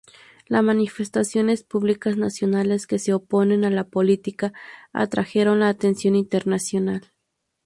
Las manifestaciones públicas nacionales que se oponen a la política atrajeron la atención internacional.